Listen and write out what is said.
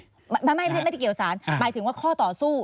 ไม่ได้เกี่ยวสารหมายถึงว่าข้อต่อสู้